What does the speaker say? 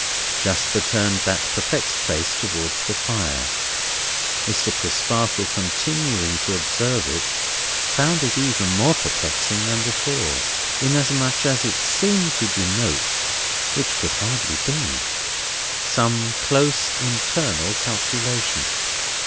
Jasper turned that perplexed face towards the fire. Mr. Crisparkle continuing to observe it, found it even more perplexing than before, inasmuch as it seemed to denote (which could hardly be) some close internal calculation.